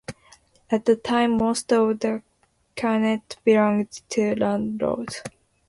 At that time most of the qanats belonged to landlords.